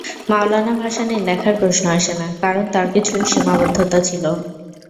মাওলানা ভাসানীর লেখার প্রশ্ন আসে না, কারণ তাঁর কিছু সীমাবদ্ধতা ছিল।